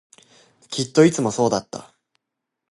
きっといつもそうだった